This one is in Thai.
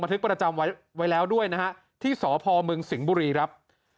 ทึกประจำไว้แล้วด้วยนะฮะที่สพมสิงห์บุรีครับ